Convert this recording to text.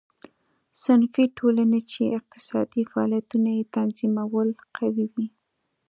صنفي ټولنې چې اقتصادي فعالیتونه یې تنظیمول قوي وې.